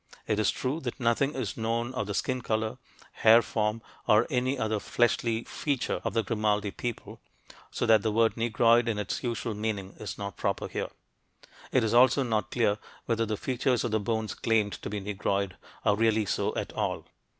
It is true that nothing is known of the skin color, hair form, or any other fleshy feature of the Grimaldi people, so that the word "Negroid" in its usual meaning is not proper here. It is also not clear whether the features of the bones claimed to be "Negroid" are really so at all.